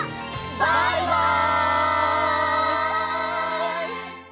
バイバイ！